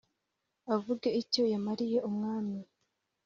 avuge icyo yamariye umwami